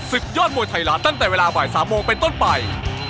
ศึกยอดมวยไทยรัฐตั้งแต่เวลาบ่าย๓โมงเป็นต้นไป